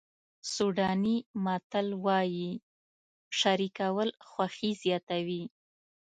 سوډاني متل وایي شریکول خوښي زیاتوي.